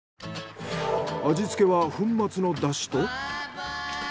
味付けは粉末のだしと。